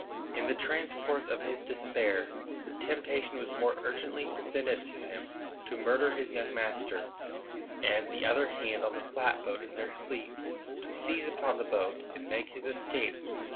In the transports of his despair, the temptation was more urgently presented to him to murder his young master and the other hand on the flat boat in their sleep, to seize upon the boat, and make his escape.